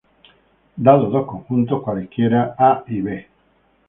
Dados dos conjuntos cualesquiera "A" y "B".